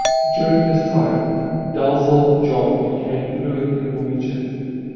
During this time Dalzel-Job became fluent in Norwegian.